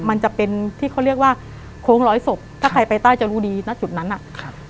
มันจะเป็นที่เขาเรียกว่าโค้งร้อยศพถ้าใครไปใต้จะรู้ดีณจุดนั้นอ่ะครับ